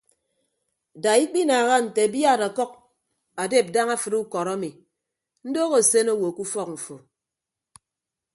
Da ikpinaaha nte abiad ọkʌk adep daña afịd ukọd ami ndoho asen owo ke ufọk mfo.